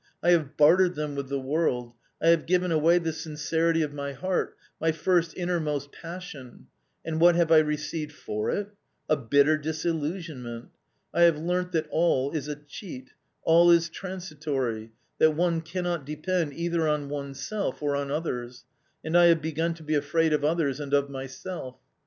I have bartered them with the world, I have given away the sincerity of my heart, my first innermost passion ; and what have I received for it ? a bitter disillusionment. I have learnt that all is a cheat, all is transitory, that one can not depend either on oneself or on others, and I have begun to be afraid of others and of myself.